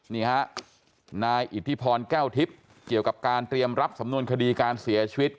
นี่ฮะนายอิทธิพรแก้วทิพย์เกี่ยวกับการเตรียมรับสำนวนคดีการเสียชีวิต